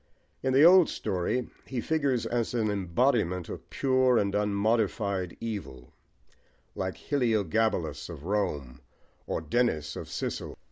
In the old story, he figures as an embodiment of pure and unmodified evil, like "Hyliogabalus of Rome or Denis of Sicyll."